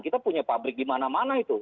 kita punya pabrik di mana mana itu